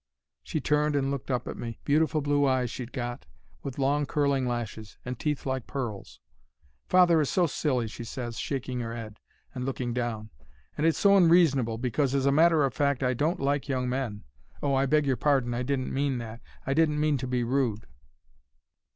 "She turned and looked up at me. Beautiful blue eyes she'd got, with long, curling lashes, and teeth like pearls. "'Father is so silly,' she ses, shaking her 'ead and looking down; 'and it's so unreasonable, because, as a matter of fact, I don't like young men. Oh, I beg your pardon, I didn't mean that. I didn't mean to be rude.'